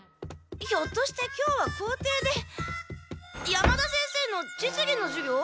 ひょっとして今日は校庭で山田先生の実技の授業？